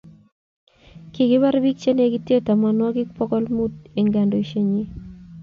kikibar biik che negitee tamanwokik bokol muut eng kandoishenyi